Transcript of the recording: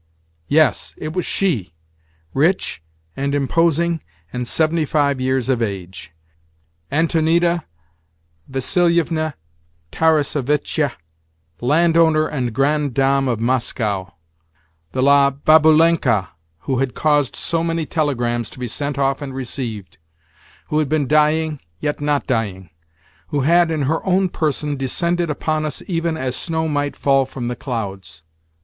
_ Yes, it was she—rich, and imposing, and seventy five years of age—Antonida Vassilievna Tarassevitcha, landowner and grande dame of Moscow—the "La Baboulenka" who had caused so many telegrams to be sent off and received—who had been dying, yet not dying—who had, in her own person, descended upon us even as snow might fall from the clouds!